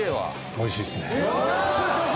おいしいですね。